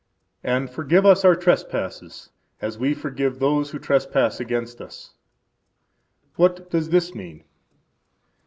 And forgive us our trespasses, as we forgive those who trespass against us. What does this mean?